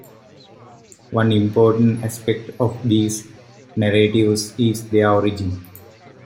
One important aspect of these narratives is their origin.